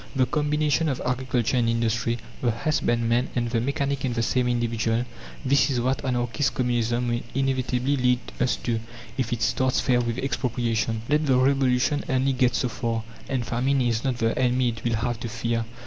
The combination of agriculture and industry, the husbandman and the mechanic in the same individual this is what anarchist communism will inevitably lead us to, if it starts fair with expropriation. Let the Revolution only get so far, and famine is not the enemy it will have to fear.